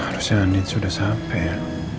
harusnya nit sudah sampai ya